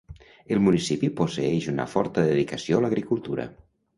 El municipi posseeix una forta dedicació a l'agricultura.